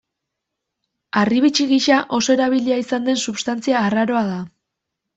Harribitxi gisa oso erabilia izan den substantzia arraroa da.